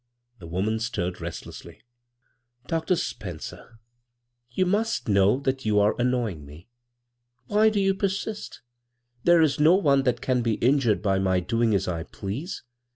The woman stirred resdessly. "Dr. Spencer, you must tcnow that you are annoying me. Why do you persist? There is no one that can be injured by my doing as I please.